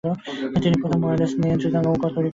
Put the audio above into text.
তিনি প্রথম ওয়্যারলেস নিয়ন্ত্রিত নৌকাও তৈরি করেছিলেন।